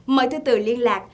mời thư tử liên lạc